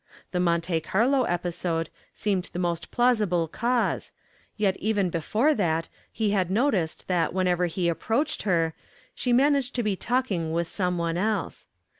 The Monte Carlo episode seemed the most plausible cause, yet even before that he had noticed that whenever he approached her she managed to be talking with some one else.